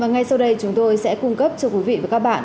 ngay sau đây chúng tôi sẽ cung cấp cho quý vị và các bạn